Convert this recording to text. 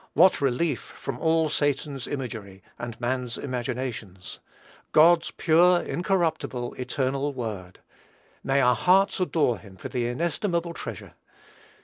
What relief from all Satan's imagery, and man's imaginations! God's pure, incorruptible, eternal word! May our hearts adore him for the inestimable treasure!